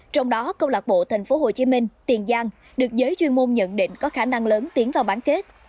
trong đó câu lạc bộ tp hcm tiền giang được giới chuyên môn nhận định có khả năng lớn tiến vào bán kết